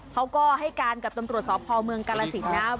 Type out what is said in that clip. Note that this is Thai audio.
เขาก็ให้การกับตำรวจสอบพอบเมืองกาลสิทธิ์นะ